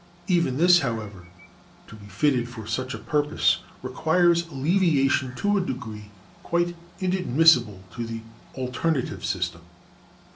Even this, however, to be fitted for such a purpose, requires alleviation to a degree quite inadmissible in the alternative system.